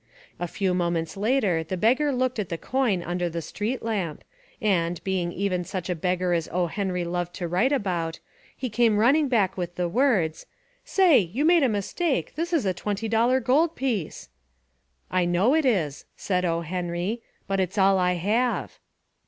A few moments later the beggar looked at the coin under a street lamp and, being even such a beggar as O. Henry loved to write about, he came running back with the words, "Say, you made a mistake, this Is a twenty dollar gold piece." "I know It is," said O. Henry, "but it's all I have."